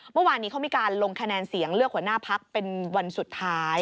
เมื่อวานนี้เขามีการลงคะแนนเสียงเลือกหัวหน้าพักเป็นวันสุดท้าย